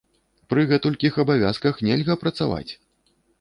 Пры гэтулькіх абавязках нельга працаваць!